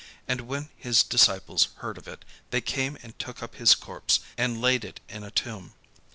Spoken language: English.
And when his disciples heard of it, they came and took up his corpse, and laid it in a tomb.